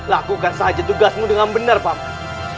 lakukan saja tugasmu dengan benar pak